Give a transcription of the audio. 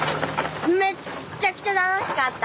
めっちゃくちゃ楽しかった。